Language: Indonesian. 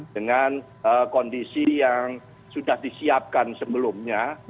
dengan kondisi yang sudah disiapkan sebelumnya